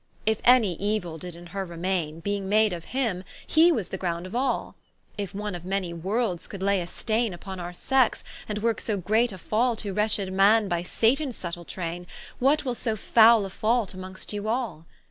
If any Euill did in her remaine, Beeing made of him, he was the ground of all; If one of many Worlds could lay a staine Vpon our Sexe, and worke so great a fall To wretched Man, by Satans subtill traine; What will so fowle a fault amongst you all?